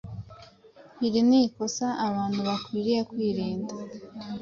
Iri ni ikosa abantu bakwiriye kwirinda.